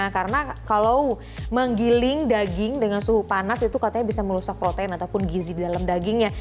karena kalau menggiling daging dengan suhu panas itu katanya bisa merusak protein ataupun gizi di dalam dagingnya